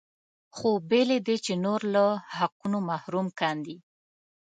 خو بې له دې چې نور له حقونو محروم کاندي.